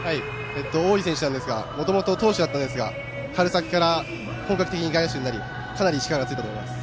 大井選手なんですがもともと投手だったんですが春先から本格的に外野手になりかなり力がついたと思います。